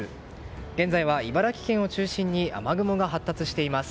現在は茨城県を中心に雨雲が発達しています。